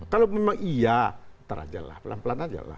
kalau memang iya entar aja lah pelan pelan